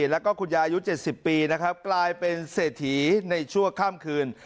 แล้วก็คุณยายุค๗๐ปีนะครับกลายเป็นเศรษฐีในชั่วข้ามคืน